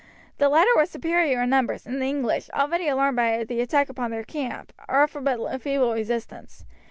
The latter were superior in numbers, and the English, already alarmed by the attack upon their camp, offered but a feeble resistance.